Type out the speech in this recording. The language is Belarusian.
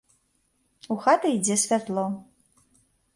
У хаты ідзе святло.